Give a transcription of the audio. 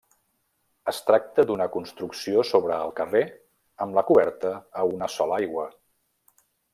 Es tracta d'una construcció sobre el carrer amb la coberta a una sola aigua.